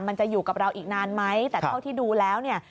มันจะอยู่กับเราอีกนานไหมแต่เท่าที่ดูแล้วเนี่ย